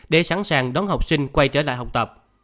để sẵn sàng đón học sinh quay trở lại học tập